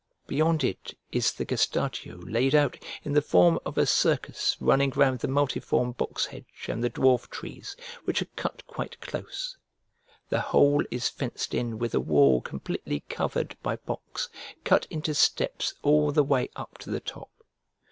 Beyond it is the gestation laid out in the form of a circus running round the multiform box hedge and the dwarf trees, which are cut quite close. The whole is fenced in with a wall completely covered by box cut into steps all the way up to the top.